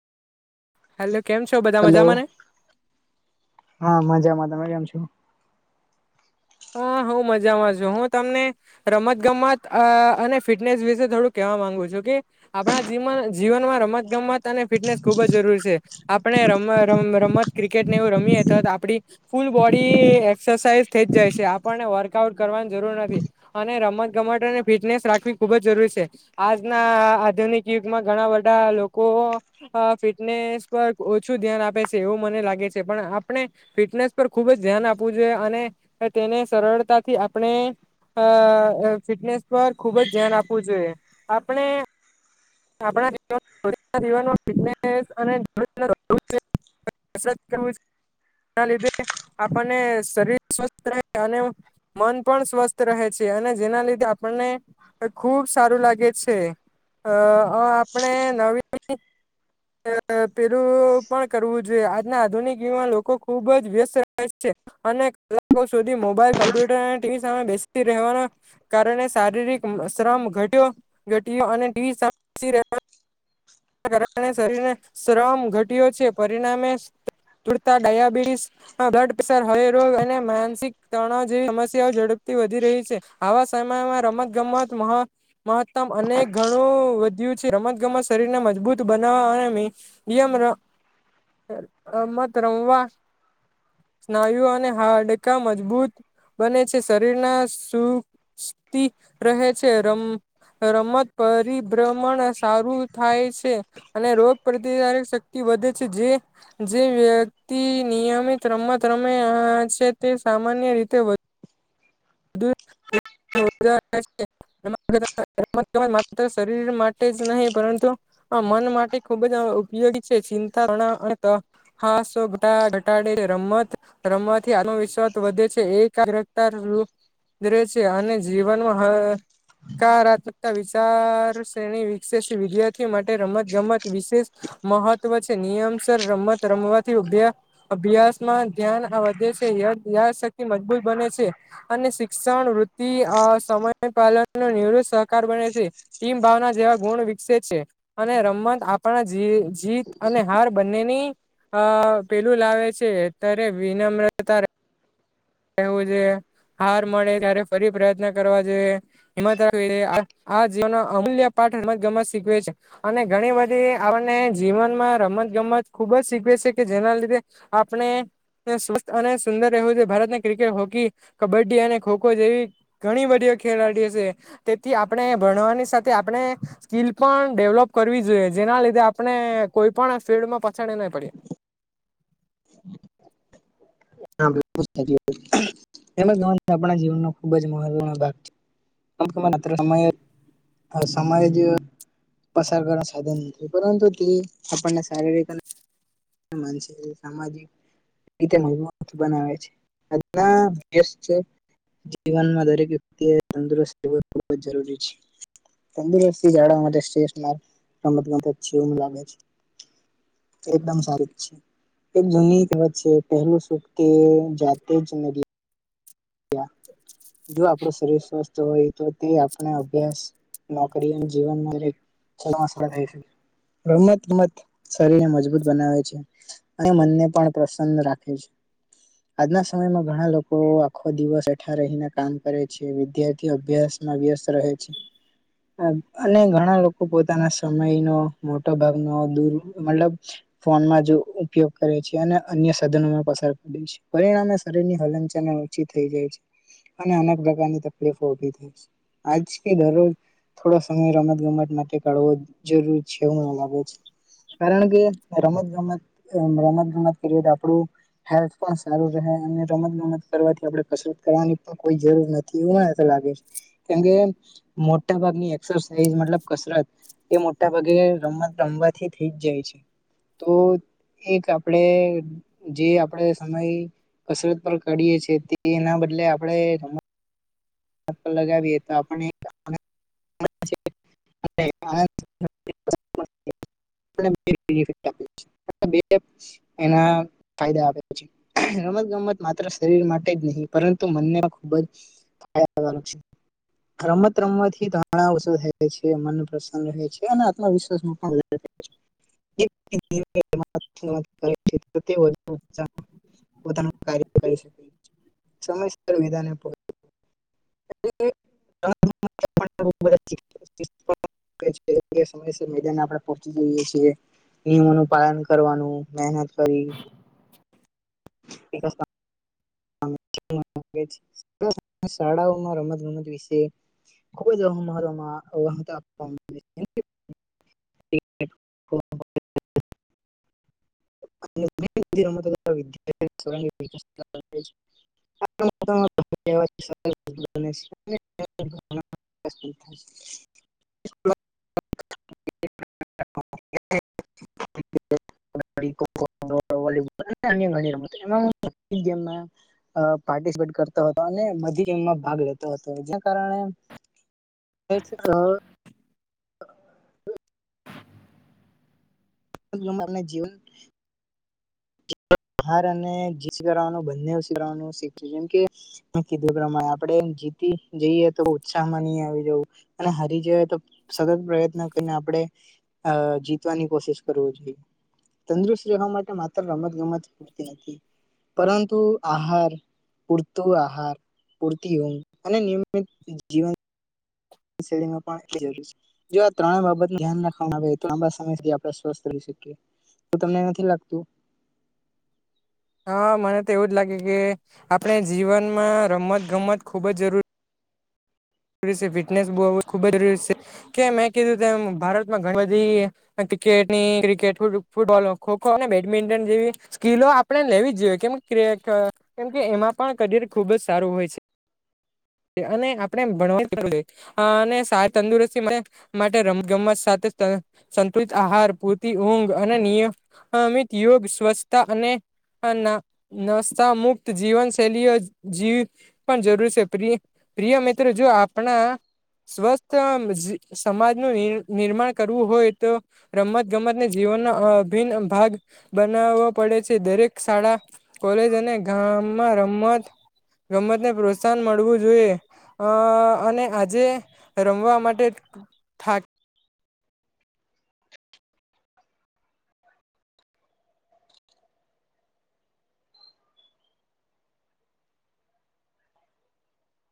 Hello, કેમ છો? બધા હલો મજામાંને. હા, મજામાં. તમે કેમ છો? હા, હું મજામાં છું, હું તમને. રમત-ગમત અને ફિટનેસ વિશે થોડું કેવા માંગુ છું કે. આપણા જીવન જીવનમાં રમત -ગમત અને ફિટનેસ ખુબ જ જરૂરી છે. આપણે રમ રમત ક્રિકેટ ને, એવું રમીએ તો આપડી. ફૂલ બોડી એક્સરસાઇઝ થઇ જાય છે, આપણને વર્કઆઉટ કરવાની જરૂર નથી. અને રમત-ગમત અને ફિટનેસ રાખવી ખુબ જ જરૂરી છે. આજના આધુનિક યુગમાં ઘણા બધા લોકો. અ ફિટનેસ પર ઓછું ધ્યાન આપે છે, એવું મને લાગે છે, પણ આપણે. ફિટનેસ પર ખુબ જ ધ્યાન આપવું જોઈએ, અને તેને સરળતાથી આપણે. અ ફિટનેસ પર ખુબ જ ધ્યાન આપવું જોઈએ, આપણે. આપ [inaudible] [unintelligible] લીધે આપણને શરીર સ્વસ્થ રહે અને મન પણ સ્વસ્થ રહે છે અને જેના લીધે આપણને ખુબ સારું લાગે છે અ આપણે નવી પેલું પણ કરવું જોઈએ આજના આધુનિક યુવા લોકો ખુબ જ વ્યસ્ત રહે છે. અનેકો સુધી મોબાઈલ કોમ્પ્યુટર અને ટીવી સામે બેસી રહેવાના કારણે શારીરિક શ્રમ ઘટ્યો ઘટ્યો અને [unintelligible] કારણે શરીરને શ્રમ ઘટ્યો છે પરિણામે [unintelligible] બ્લડ પ્રેશર હાય રોગ અને માનસિક તણાવ જેવી સમસ્યાઓ ઝડપથી વધી રહી છે. આવા સમયમાં રમત ગમત મ મહતમ અનેક ગણું વધ્યું છે રમત ગમત શરીર ને મજબૂત બનાવવા અને નિયમ રમત રમવા સ્નાયુ અને હાડકા મજબૂત બને છે શરીરના સુસ્તી રહે છે રમ રમત પરિભ્રમણ સારું થાય છે. છે અને રોગ પ્રતિકારક શક્તિ વધે છે જે જે વ્યક્તિ નિયમિત રમત રમે છે તે સામાન્ય રીતે વ [inaudible] [unintelligible] એ માત્ર શરીર માટે જ નહી પરંતુ મન માટે ખુબ જ ઉપયોગી છે ચિંતા [unintelligible] [unintelligible] રમત રમવાથી આત્મવિશ્વાસ વધે છે એક રહે છે અને જીવનમાં હ હકારાત્મકતા વિચારશૈણી વિકશે વિદ્યાર્થીઓ માટે રમતગમત વિશેષ મહત્વ છે નિયમસર રમત રમવાથી [unintelligible] અભ્યાસમાં ધ્યાન આ વધે છે યા યાદ શક્તિ મજબૂત બને છે. અને શિક્ષણ વૃદ્ધિ સમય પાલન નો નિવૃત્ત સહકાર બને છે. ટીમ ભાવના જેવા ગુણ વિકસે છે. અને રમત આપણા જી જીત અને હાર બંનેની અ પેલું લાવે છે અત્યારે વિનમ્રતા કેવું છે હાર મળે ત્યારે ફરી પ્રયત્ન કરવા જોઈએ. [unintelligible] જીવન અમૂલ્ય પાઠ રમત ગમત શીખવે છે. અને ઘણી બધી આપણને જીવનમાં રમત ગમત ખુબ જ શીખવે છે કે જેના લીધે આપણે સ્વસ્થ અને સુંદર રહેવું જોઈ ભારતને ક્રિકેટ, હોકી, કબડ્ડી અને ખોખો જેવી ઘણી બધી ખેલાડી ઓ છે. તેથી આપણે ભણવાની સાથે આપણે સ્કીિલ પણ ડેવલોપ કરવી જોઈએ જેના લીધે આપણે કોઈ પણ ફિલ્ડમાં પછાડે નઈ પડે. [unintelligible] [unintelligible] જીવનનો ખુબ જ મહત્વનો ભાગ છે. [unintelligible] સમય જ પસાર કરવાનુ સાધન નથી પરંતુ તે આપણને શારીરિક અને માનસિક અને સામાજિક રીતે મ બનાવે છે [unintelligible] જીવનમાં દરેક વ્યક્તિ તંદુરસ્ત રહેવું ખૂબ જ જરૂરી છે. તંદુરસ્થી જાળવવા માટે શ્રેષ્ઠ માં રમતગમત છે એવું લાગે છે. એકદમ સારી છે એક જૂની કહેવત છે પહેલું શું તે જાતે જ ન [inaudible] જો આપડુ શરીર સ્વસ્થ હોય તો તે આપણે અભ્યાસ નોકરી અને જીવનમાં છલાસ [unintelligible] છે રમતગમત શરીરને મજબૂત બનાવે છે અને મનને પણ પ્રસન્ન રાખે છે આજના સમયમાં ઘણા લોકો આખો દિવસ એઠા રહીને કામ કરે છે, વિદ્યાર્થી અભ્યાસમાં વ્યસ્ત રહે છે. [inaudible] અને ઘણા લોકો પોતાના સમય નો મોટા ભાગ નો દૂર મતલબ ફોનમાં જ ઉપયોગ કરે છે અને અન્ય સાધનોમાં પસાર કરે છે. પરિણામે શરીરની હલન ચલન ઓછી થઈ જાય છે અને અનેક પ્રકારની તકલીફો ઉભી થાય છે. આજ કે દરરોજ થોડો સમય રમત ગમત માટે કાઢવો જરૂરી છે એવું મને લાગે છે. કારણ કે રમત ગમત રમત ગમત કરીએ તો આપડું હેલ્થ પણ સારું રહે અને રમત ગમત કરવાથી આપડે કસરત કરવાની પણ કોઈ જરૂર નથી એવું મને તો લાગે છે કેમ કે મોટા ભાગની એક્સરસાઇઝ મતલબ કસરત એ મોટા ભાગે રમત રમવાથી થઈ જ જાય છે તો એક આપડે જે આપડે સમય કસરત પર કાડીએ છે તે તેના બદલે આપડે રમ [unintelligible] પર લગાવીએ તો આપણે [unintelligible] [unintelligible] [inaudible] એના ફાયદા આપે છે રમત ગમત માત્ર શરીર માટે જ નહીં પરંતુ મનને ખૂબ જ [inaudible] છે રમત રમવાથી તણાવ ઓછો થાય છે મન પ્રસન્ન રહે છે અને આત્મવિશ્વાસમાં પણ [inaudible] પોતાનું કાર્ય કરી શકે સમયસર વીધાને આપો [inaudible] [inaudible] સમય મેદાન આપડે પીપહોંચી જઈએ છીએ નિયમો નુ પાલન કરવાનું મહેનત કરી [inaudible] [unintelligible] શાળાઓમાં રમત ગમત વિશે ખુબ જ આમ મહત્ત્વમાં હત્ત્વ આપવા આવે [inaudible] [inaudible] [inaudible] [inaudible] [inaudible] કબ્બડ્ડી ખો ખો વોલિબોલ અન્ય ઘણી રમત એમાં જેમા અ પાર્ટિસિપેટ કરતો હતો અને બધી ગેમમાં ભાગ લેતો હતો જેના કારણે એજ ક [unintelligible] અને જીવન બહાર અને જીન્સ પેરાવાનું બંને [unintelligible] વાનું શીખ જેમ કે મે કીધું એ પ્રમાણે આપણે જીતી જઈએ તો ઉત્સાહમાં નહી આવી જવું અને હારી જઈએ તો સતત પ્રયત્ન આપણે અ જીતવાની કોશિશ કરવી જોઈએ તંદુરસ્ત રહેવા માટે માત રમત ગમત પતી હતી પરંતુ આહાર પૂરતુ આહાર પૂરતી હોય અને નિયમિત જીવન શેલી માં પણ એ જરૂર છે જો આ ત્રણેય બાબત ધ્યાન રાખવામાં આવે તો લાંબા સમયથી આપડે સ્વસ્થ રહી શકીએ તો તમને નથી લાગતું હા મને તો એવું જ લાગે કે આપણે જીવનમાં રમત ગમત ખુબ જ જરૂર ફિટનેસ બ ખુબ જ છે કે મેં કીધું તેમ ભારતમાં ઘણી બધી ક્રિકેટની ક્રિકેટ ફૂટબોલ ખોખો બેડમિન્ટન જેવી સ્કીિલો આપણે લેવી જ જોઈએ કેમ કેમ કે એમાં પણ કરિયર ખુબ જ સારું હોય છે અને આપડણે [unintelligible] અ અને સાત તંદુરસ્તી માટે રમગમત સાથે સંતુલિત આહાર પૂરતી ઊંઘ અને નિય અમિત યોગ સ્વચ્છતા અને નસ્તા મુક્ત જીવન શૈલીઓ જીવ પણ જરૂર છે પ્રિય પ્રિય મિત્રો જો આપણા સ્વસ્થ સમાજનું નિનિર્માણ કરવું હોય તો રમત ગમતને જીવનનો અભિન્ન ભાગ બનાવવો પડે છે દરેક શાળા કોલેજ અને ગામમાં રમત રમતને પ્રોત્સાહન મળવું જોઈએ અ અને આજે રમવા માટે થા [inaudible] [inaudible] [inaudible] [inaudible]